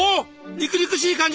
肉々しい感じ！